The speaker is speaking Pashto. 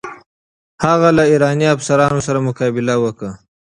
هغه له ایراني افسرانو سره مقابله وکړه.